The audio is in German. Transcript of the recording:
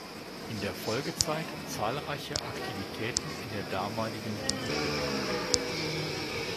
In der Folgezeit zahlreiche Aktivitäten in der damaligen Jugendbewegung.